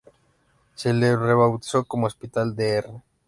Se le rebautizó como Hospital Dr.